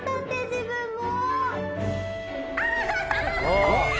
自分も！